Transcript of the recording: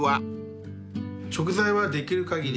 食材はできる限り